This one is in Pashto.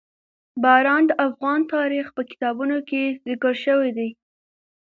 باران د افغان تاریخ په کتابونو کې ذکر شوي دي.